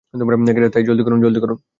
তাই জলদি করুন।